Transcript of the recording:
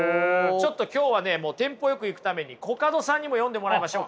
ちょっと今日はねもうテンポよくいくためにコカドさんにも読んでもらいましょうか。